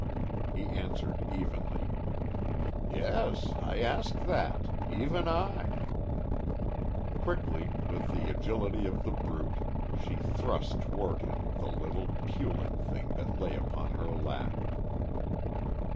He answered, evenly. "Yes. I ask that. Even I." Quickly, with the agility of the brute, she thrust toward him the little, puling thing that lay upon her lap.